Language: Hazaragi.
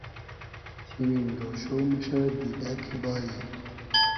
چیمیم رۉشۉ موشۂ دیدۂ کی بایی